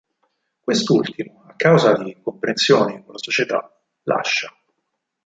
Quest'ultimo, a causa di incomprensioni con la società, lascia.